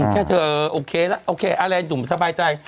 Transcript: แค่เธอโอเคแล้วโอเคอะไรหนุ่มสบายใจ